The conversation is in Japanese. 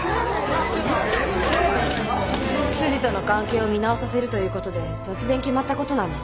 執事との関係を見直させるということで突然決まったことなの。